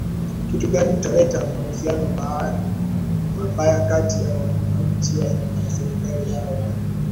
kitu gani utaleta mahusiano mabaya kati ya wananchi na serikali yao